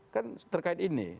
kan terkait ini